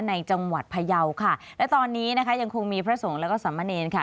ในจังหวัดพยาวค่ะและตอนนี้นะคะยังคงมีพระสงฆ์แล้วก็สามเณรค่ะ